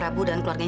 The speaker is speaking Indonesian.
kamu sudah selesai